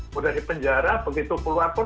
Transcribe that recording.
sudah di penjara begitu keluar pun